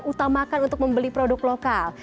utamakan untuk membeli produk lokal